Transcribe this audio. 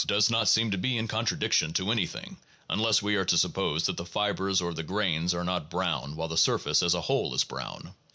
157 does not seem to be in contradiction to anything, unless we are to suppose that the fibers or the grains are not brown while the surface as a whole is brown.